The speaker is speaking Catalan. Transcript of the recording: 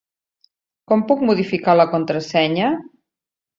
Com puc modificar la contrasenya?